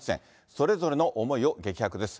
それぞれの思いを激白です。